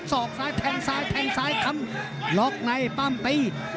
อกซ้ายแทงซ้ายแทงซ้ายคำล็อกในปั้มตี